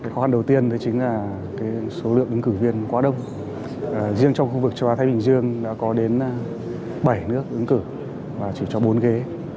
khó khăn đầu tiên đấy chính là số lượng ứng cử viên quá đông riêng trong khu vực châu á thái bình dương đã có đến bảy nước ứng cử và chỉ cho bốn ghế